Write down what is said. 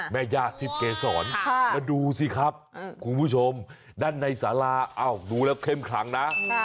แม่ย่าที่เก๋สอนมาดูสิครับคุณผู้ชมด้านในสาราดูแล้วเข้มขังนะ